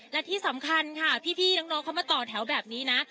และที่สำคัญค่ะพี่น้องเขามาต่อแถวแบบนี้นะ